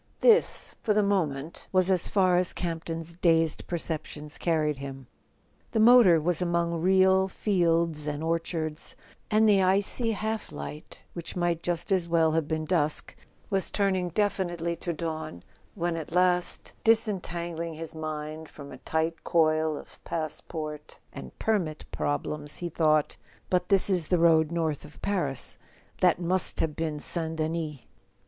This, for the moment, was as far as Camp ton's dazed per¬ ceptions carried him. .. The motor was among real fields and orchards, and the icy half light which might just as well have been dusk was turning definitely to dawn, when at last, disentangling his mind from a tight coil of passport and permit problems, he thought: "But this is the road north of Paris—that must have been St. Denis."